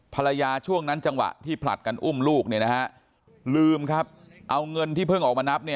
ช่วงนั้นจังหวะที่ผลัดกันอุ้มลูกลืมครับเอาเงินที่เพิ่งออกมานับ